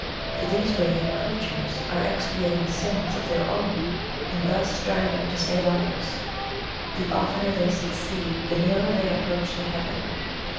For these radiant creatures are expiating sins of their own in thus striving to save others the oftener they succeed the nearer they approach to Heaven.